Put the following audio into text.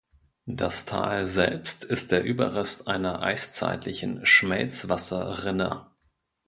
Das Tal selbst ist der Überrest einer eiszeitlichen Schmelzwasserrinne.